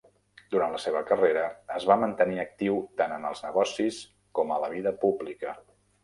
Durant la seva carrera, es va mantenir actiu tant en els negocis com a la vida pública.